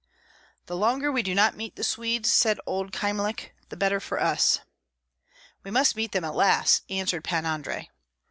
"The longer we do not meet the Swedes," said old Kyemlich, "the better for us." "We must meet them at last," answered Pan Andrei.